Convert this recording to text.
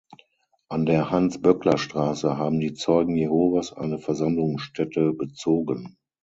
An der Hans-Böckler-Straße haben die Zeugen Jehovas eine Versammlungsstätte bezogen.